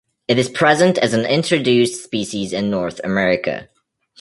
It is present as an introduced species in North America.